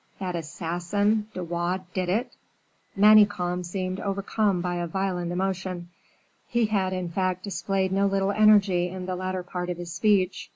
that assassin, De Wardes, did it!" Manicamp seemed overcome by a violent emotion. He had, in fact, displayed no little energy in the latter part of his speech.